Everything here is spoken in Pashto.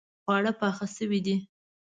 خواړه پاخه شوې دي